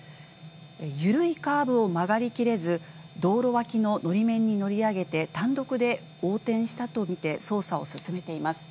緩いカーブを曲がり切れず、道路脇ののり面に乗り上げて、単独で横転したと見て、捜査を進めています。